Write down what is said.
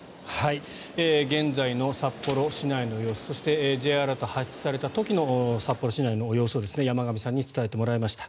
現在の札幌市内の様子そしてＪアラートが発出された時の札幌市内の様子を山上さんに伝えてもらいました。